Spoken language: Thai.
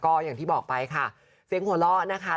ก็อย่างที่บอกไปค่ะเสียงหัวเราะนะคะ